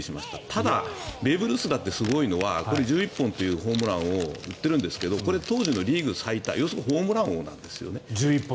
ただベーブ・ルースだってすごいのはこれ１１本というホームランを打っているんですがこれ、当時のリーグ最多要するにホームラン王なんです。